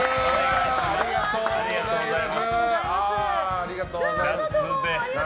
外もありがとうございます！